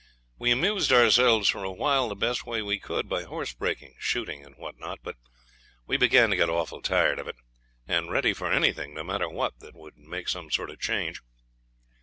We amused ourselves for a while the best way we could by horse breaking, shooting, and what not; but we began to get awful tired of it, and ready for anything, no matter what, that would make some sort of change.